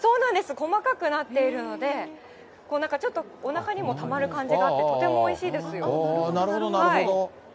細かくなっているので、なんかちょっとおなかにもたまる感じがあって、とてもおいしいでなるほど、なるほど。